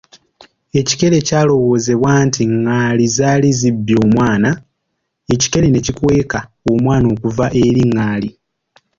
Ekikere kyalowooza nti ngaali zaali zibbye omwana, ekikere ne kikweka omwana okuva eri ngaali.